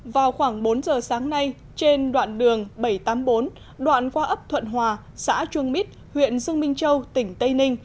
vào khoảng bốn giờ sáng nay trên đoạn đường bảy trăm tám mươi bốn đoạn qua ấp thuận hòa xã chuông mít huyện dương minh châu tỉnh tây ninh